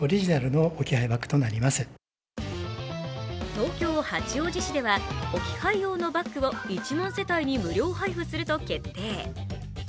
東京・八王子市では置き配用のバッグを１万世帯に無料配布すると決定。